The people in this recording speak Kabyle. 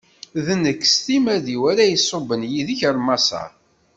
D nekk, s timmad-iw, ara iṣubben yid-k ɣer Maṣer.